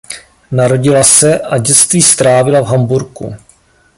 Narodila se a dětství strávila v Hamburku.